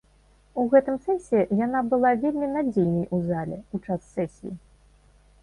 У гэтым сэнсе яна была вельмі надзейнай у зале, у час сесіі.